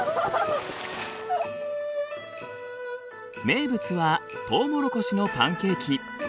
名物はトウモロコシのパンケーキ。